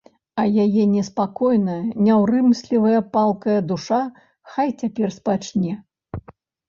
А яе неспакойная, няўрымслівая, палкая душа хай цяпер спачне.